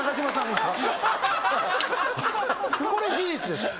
これ事実です。